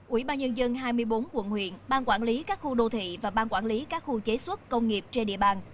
ủy ban nhân dân hai mươi bốn quận huyện bang quản lý các khu đô thị và ban quản lý các khu chế xuất công nghiệp trên địa bàn